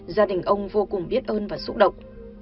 gia đình ông vô cùng biết ơn và xúc động